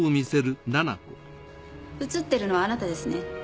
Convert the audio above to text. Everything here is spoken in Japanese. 映ってるのはあなたですね？